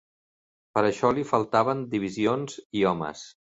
Per a això li faltaven divisions i homes.